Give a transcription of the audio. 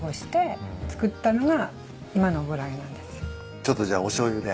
ちょっとじゃあおしょうゆで。